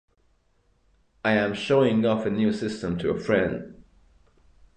I am showing off a new system to a new friend.